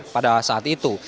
pada saat itu